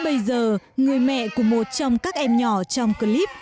bây giờ người mẹ của một trong các em nhỏ trong clip